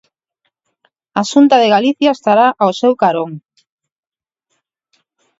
A Xunta de Galicia estará ao seu carón.